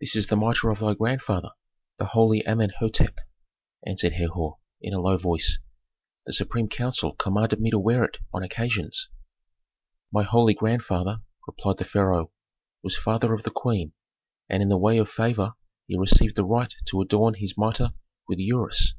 "This is the mitre of thy grandfather, the holy Amenhôtep," answered Herhor, in a low voice. "The supreme council commanded me to wear it on occasions." "My holy grandfather," replied the pharaoh, "was father of the queen, and in the way of favor he received the right to adorn his mitre with the ureus.